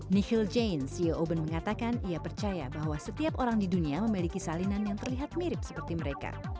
michel jane ceo oben mengatakan ia percaya bahwa setiap orang di dunia memiliki salinan yang terlihat mirip seperti mereka